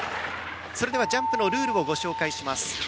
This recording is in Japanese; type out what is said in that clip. それではジャンプのルールを御紹介します。